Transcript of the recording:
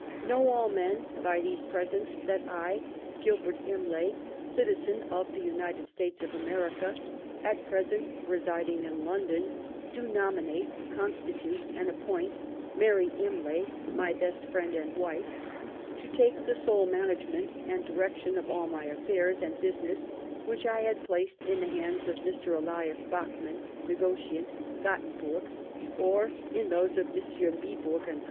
Know all men by these presents that I, Gilbert Imlay, citizen of the United States of America, at present residing in London, do no minate, constitute, and appoint Mary Lnlay, my best friend and wife, to take the sole management and direction of all my affairs, and business which I had placed in the hands of Mr. Elias Bachman, negotiant, Gottenburg, or in those of Messrs. Mybuig & Oo.